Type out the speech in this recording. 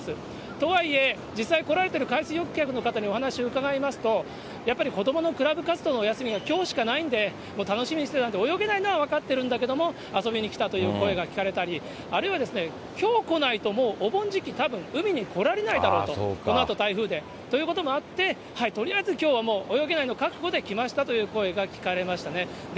とはいえ、実際来られている海水浴客の方にお話を伺いますと、やっぱり子どものクラブ活動の休みがきょうしかないので、楽しみにしてたんで、泳げないのは分かってるんだけども遊びに来たという声が聞かれたり、あるいは、きょう来ないともうお盆時期、たぶん海に来られないだろうと、このあと台風で、ということもあって、とりあえずきょうは泳げないのを覚悟で来ましたという声が聞かれましたね。